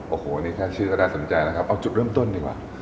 โอ้โหนี่แค่ชื่อก็น่าสนใจนะครับเอาจุดเริ่มต้นดีกว่า